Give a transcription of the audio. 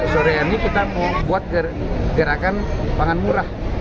soreani kita buat gerakan pangan murah